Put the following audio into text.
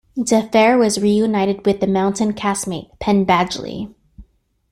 DeFer was reunited with "The Mountain" castmate Penn Badgley.